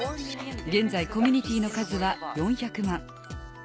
現在コミュニティーの数は４００万。